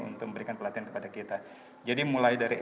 untuk memberikan pelatihan kepada kita jadi mulai dari